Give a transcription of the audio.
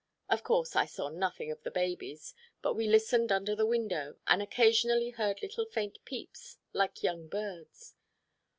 Of course, I saw nothing of the babies, but we listened under the window, and occasionally heard little faint peeps like young birds.